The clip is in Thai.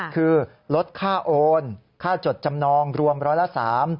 คือลดค่าโอนค่าจดจำนองรวมร้อยละสาม